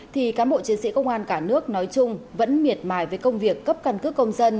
thì cán bộ chiến sĩ công an cả nước nói chung vẫn miệt mài với công việc cấp căn cước công dân